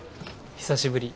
久しぶり。